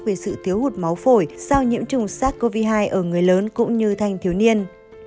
về sự thiếu hụt máu phổi sau nhiễm trùng sars cov hai ở người lớn cũng như thanh thiếu niên